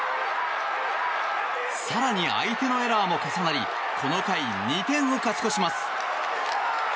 更に、相手のエラーも重なりこの回２点を勝ち越します。